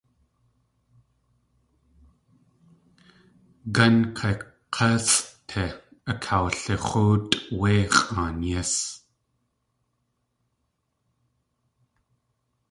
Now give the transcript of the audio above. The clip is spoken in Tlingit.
Gán kak̲ásʼti akawlix̲óotʼ wé x̲ʼaan yís.